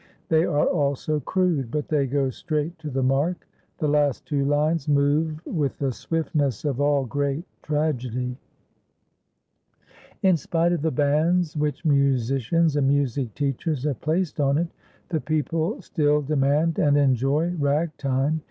They are also crude, but they go straight to the mark. The last two lines move with the swiftness of all great tragedy. In spite of the bans which musicians and music teachers have placed on it, the people still demand and enjoy Ragtime.